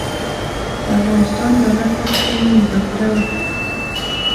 د افغانستان دولت هڅه کوي مذاکره وکړي.